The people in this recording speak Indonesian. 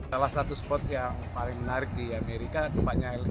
salah satu spot yang paling menarik di amerika tempatnya lea